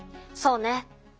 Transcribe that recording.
そうね。